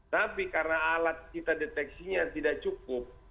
tapi karena alat kita deteksinya tidak cukup